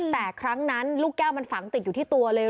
แต่ครั้งนั้นลูกแก้วมันฝังติดอยู่ที่ตัวเลย